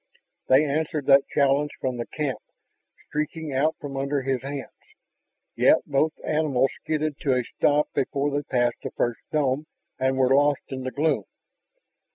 They answered that challenge from the camp, streaking out from under his hands. Yet both animals skidded to a stop before they passed the first dome and were lost in the gloom.